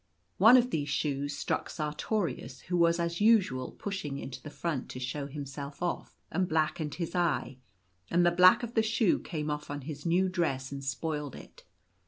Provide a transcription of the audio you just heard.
One of these shoes struck Sartorius, who was as usual pushing into the front to show himself off, and blackened his eye, and the black of the shoe came off on his new dress and spoiled it.